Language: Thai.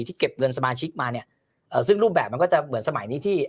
เก็บเงินสมาชิกมาเนี่ยเอ่อซึ่งรูปแบบมันก็จะเหมือนสมัยนี้ที่